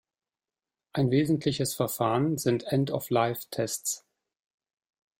Ein wesentliches Verfahren sind End of life tests.